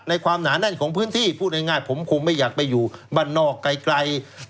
ความหนาแน่นของพื้นที่พูดง่ายผมคงไม่อยากไปอยู่บ้านนอกไกล